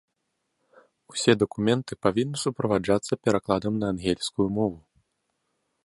Усе дакументы павінны суправаджацца перакладам на ангельскую мову.